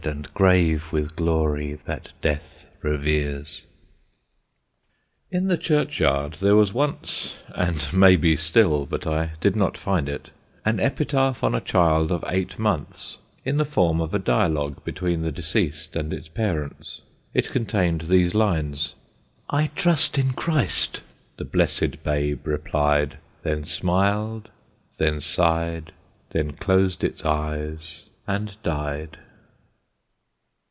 _] [Sidenote: A SHOREHAM EPITAPH] In the churchyard there was once (and may be still, but I did not find it) an epitaph on a child of eight months, in the form of a dialogue between the deceased and its parents. It contained these lines: "'I trust in Christ,' the blessed babe replied, Then smil'd, then sigh'd, then clos'd its eyes and died."